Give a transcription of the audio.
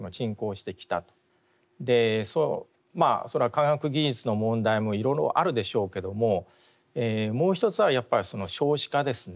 それは科学技術の問題もいろいろあるでしょうけどももう一つはやっぱり少子化ですね。